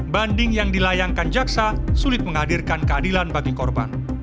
banding yang dilayangkan jaksa sulit menghadirkan keadilan bagi korban